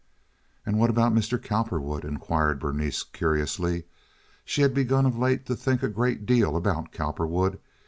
"And what about Mr. Cowperwood?" inquired Berenice curiously. She had begun of late to think a great deal about Cowperwood.